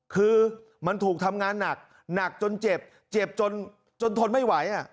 คือมันถูกทำงานหนักหนักจนเจ็บเจ็บจนทนไม่ไหว